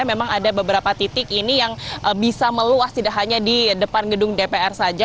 memang ada beberapa titik ini yang bisa meluas tidak hanya di depan gedung dpr saja